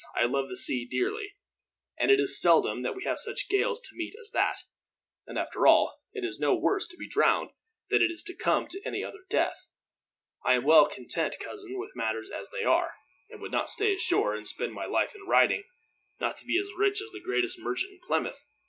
I love the sea dearly, and it is seldom that we have such gales to meet as that; and after all, it is no worse to be drowned than it is to come to any other death. I am well content, cousin, with matters as they are; and would not stay ashore and spend my life in writing, not to be as rich as the greatest merchant in Plymouth.